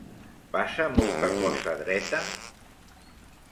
Passa molta cosa dreta?